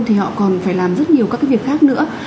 thì họ còn phải làm rất nhiều các cái việc khác nữa